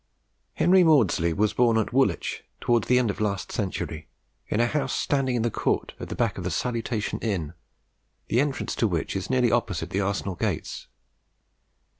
Henry Maudslay was born at Woolwich towards the end of last century, in a house standing in the court at the back of the Salutation Inn, the entrance to which is nearly opposite the Arsenal gates.